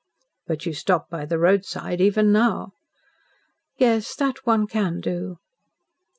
"But you stop by the roadside even now." "Yes. That one can do."